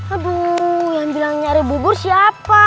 aduh yang bilang nyari bubur siapa